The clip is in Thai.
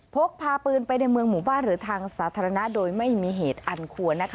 พกพาปืนไปในเมืองหมู่บ้านหรือทางสาธารณะโดยไม่มีเหตุอันควร